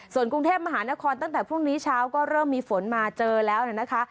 ส่วนกรุงเทพมหานครตั้งแต่พรุ่งนี้เช้าก็เริ่มมีฝนมาเจอแล้วนะคะ